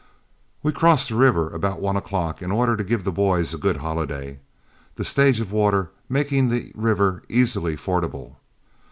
We crossed the river about one o'clock in order to give the boys a good holiday, the stage of water making the river easily fordable.